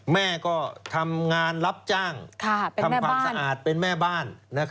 แม่ก็ทำงานรับจ้างทำความสะอาดเป็นแม่บ้าน